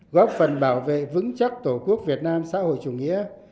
góp phần bảo vệ vững chắc tổ quốc việt nam xã hội chủ nghĩa